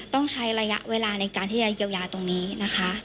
ต้องใช้ระยะเวลาในการที่จะเยียวยาตรงนี้นะคะ